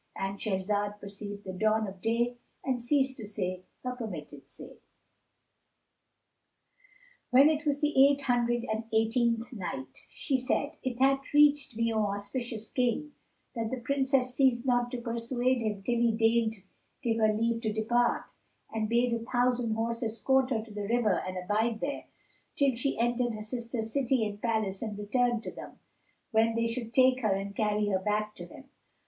—And Shahrazad perceived the dawn of day and ceased to say her permitted say. When it was the Eight Hundred and Eighteenth Night, She said, It hath reached me, O auspicious King, that the Princess ceased not to persuade him till he deigned give her leave to depart, and bade a thousand horse escort her to the river and abide there, till she entered her sister's city and palace and returned to them, when they should take her and carry her back to him.